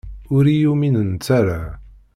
Ur iyi-uminent ara.